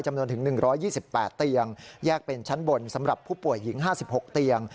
จำนวนถึง๑๒๘เตียงแยกเป็นชั้นบนสำหรับผู้ป่วยหญิง๕๖เตียง